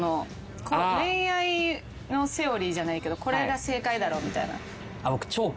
恋愛のセオリーじゃないけどこれが正解だろみたいな。